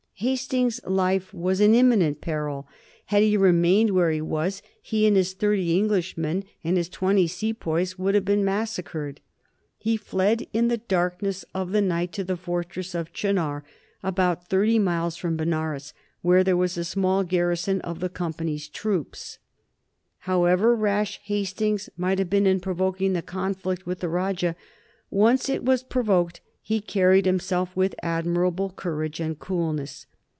Hastings's life was in imminent peril. Had he remained where he was he and his thirty Englishmen and his twenty sepoys would have been massacred. He fled in the darkness of the night to the fortress of Chunar, about thirty miles from Benares, where there was a small garrison of the Company's troops. [Sidenote: 1781 The Vizier of Oude and the Begums] However rash Hastings might have been in provoking the conflict with the Rajah, once it was provoked he carried himself with admirable courage and coolness.